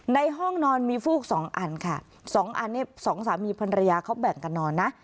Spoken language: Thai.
ในห้องนอนมีฟูกสองอันค่ะสองอันนี้สองสามีภรรยาเขาแบ่งกันนอนนะ